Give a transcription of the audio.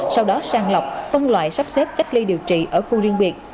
sau đó sang lọc phân loại sắp xếp cách ly điều trị ở khu riêng biệt